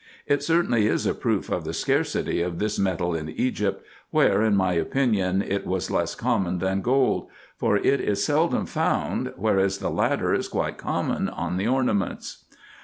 It certainly is a proof of the scarcity of this metal in Egypt, where, in my opinion, it was less common than gold ; for it is seldom found, whereas the latter is quite common on the ornaments.